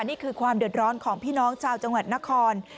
นี่คือความเดือดร้อนของพี่น้องชาวจังหวัดนคร